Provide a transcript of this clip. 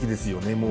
もう。